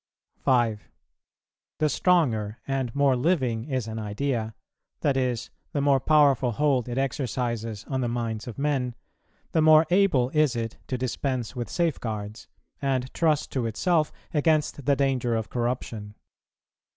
5. The stronger and more living is an idea, that is, the more powerful hold it exercises on the minds of men, the more able is it to dispense with safeguards, and trust to itself against the danger of corruption.